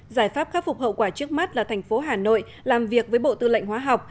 giải pháp khắc phục hậu quả trước mắt là thành phố hà nội làm việc với bộ tư lệnh hóa học